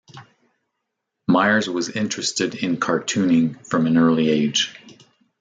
Myers was interested in cartooning from an early age.